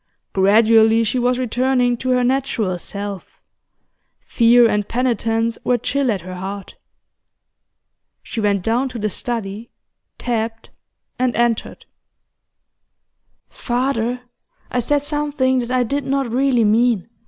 Gradually she was returning to her natural self; fear and penitence were chill at her heart. She went down to the study, tapped, and entered. 'Father, I said something that I did not really mean.